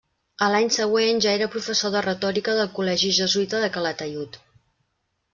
A l'any següent ja era professor de Retòrica del col·legi jesuïta de Calataiud.